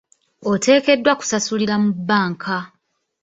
Oteekeddwa kusasulira mu bbanka.